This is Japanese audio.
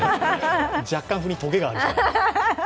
若干、振りにとげがある。